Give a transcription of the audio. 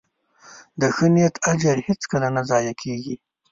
د ښه نیت اجر هیڅکله نه ضایع کېږي.